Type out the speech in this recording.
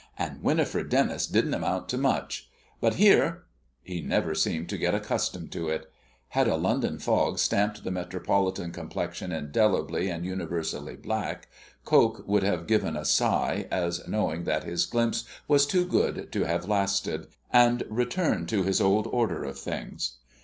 And Winifred Dennis didn't amount to much. But here " He never seemed to get accustomed to it. Had a London fog stamped the metropolitan complexion indelibly and universally black, Coke would have given a sigh, as knowing that his glimpse was too good to have lasted, and returned to his old order of things.